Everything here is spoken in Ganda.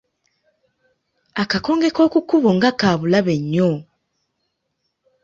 Akakonge k’oku kkubo nga ka bulabe nnyo!